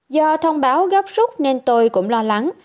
do thông báo góp rút nên tôi cũng lo lắng